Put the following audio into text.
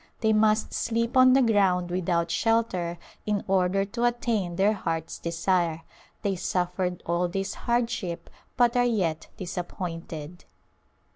They must sleep on the ground without shelter in order to attain their heart's desire. They suffered all this hardship but are yet disappointed.